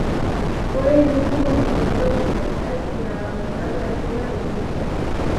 Fue el último misionero occidental en abandonar la China comunista.